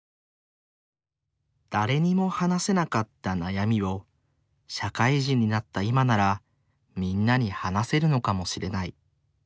誰にも話せなかった悩みを社会人になった今ならみんなに話せるのかもしれない。